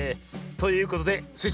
ということでスイ